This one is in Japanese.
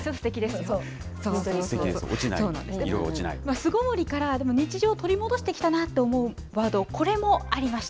巣ごもりから日常を取り戻してきたなと思うワード、これもありました。